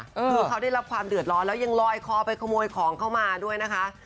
คือเขาได้รับความเดือดร้อนแล้วยังลอยคอไปขโมยของเข้ามาด้วยนะคะ